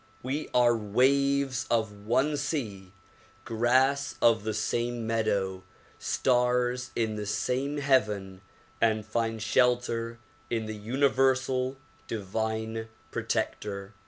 We are waves of one sea, grass of the same meadow, stars in the same heaven and find shelter in the universal divine protector.